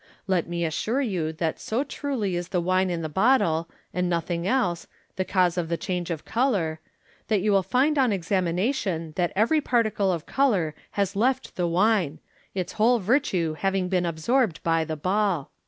Let me assure you that so truly is the wine in the bottle, and nothing else, the cause of the change of colour, that you will find on examination that every particle of colour has left the wine, its whole virtue having been absorbed by the ball.